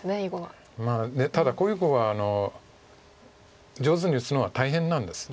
まあただこういう碁は上手に打つのは大変なんです。